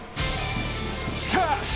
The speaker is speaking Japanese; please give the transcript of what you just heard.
しかーし！